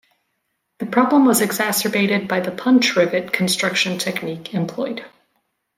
The problem was exacerbated by the punch rivet construction technique employed.